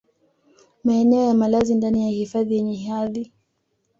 maeneo ya malazi ndani ya hifadhi yenye hadhi